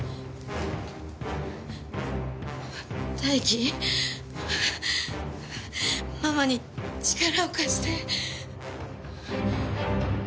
大樹ママに力を貸して。